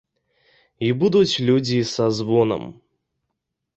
І будуць людзі са звонам.